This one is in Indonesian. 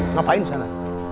ngapain di sana